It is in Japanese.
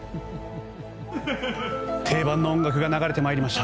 定番の音楽が流れてまいりました。